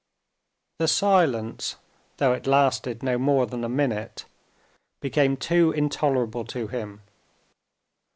The silence (though it lasted no more than a minute) became too intolerable to him.